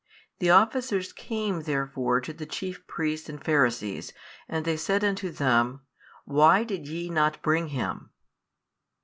45 The officers came therefore to the chief priests and Pharisees; and they said unto them, Why did ye not bring Him?